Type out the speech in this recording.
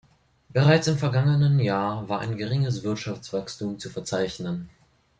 Bereits im vergangenen Jahr war ein geringeres Wirtschaftswachstum zu verzeichnen.